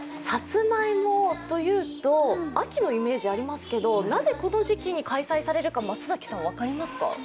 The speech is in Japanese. さつまいもというと、秋のイメージありますけどなぜこの時期に開催されるか松崎さん、分かりますか？